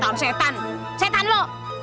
tahu setan setan lo